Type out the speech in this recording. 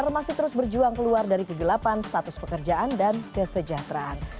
masih terus berjuang keluar dari kegelapan status pekerjaan dan kesejahteraan